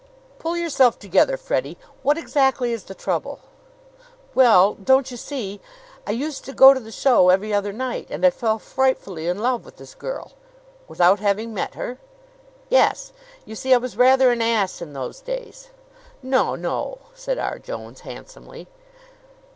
"Pull yourself together, Freddie. What exactly is the trouble?" "Well don't you see? I used to go to the show every other night, and I fell frightfully in love with this girl " "Without having met her?" "Yes. You see, I was rather an ass in those days." "No, no!" said R. Jones handsomely.